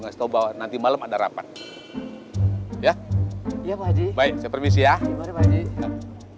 ngasih tahu bahwa nanti malam ada rapat ya ya pak haji baik seperti siap siap